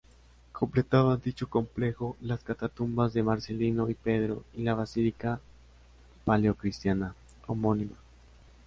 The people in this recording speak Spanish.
Completaban dicho complejo las catacumbas de Marcelino y Pedro y la basílica paleocristiana homónima.